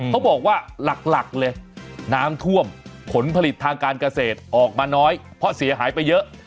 เขาบอกว่าหลักเลยน้ำท่วมผลผลิตทางการเกษตรออกมาน้อยเพราะเสียหายไปเยอะ